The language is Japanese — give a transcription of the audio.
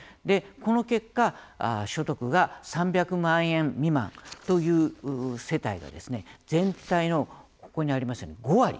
この結果、所得が３００万円未満という世帯が全体のここにありますように５割。